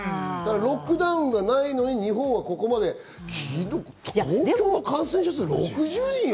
ロックダウンがないのに、日本はここまで東京の感染者数６０人よ？